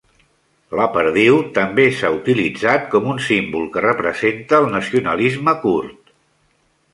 La perdiu també s"ha utilitzat com un símbol que representa el nacionalisme kurd.